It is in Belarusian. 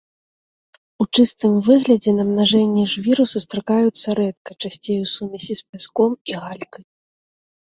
У чыстым выглядзе намнажэнні жвіру сустракаюцца рэдка, часцей у сумесі з пяском і галькай.